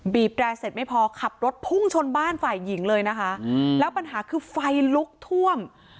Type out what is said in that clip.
แร่เสร็จไม่พอขับรถพุ่งชนบ้านฝ่ายหญิงเลยนะคะแล้วปัญหาคือไฟลุกท่วม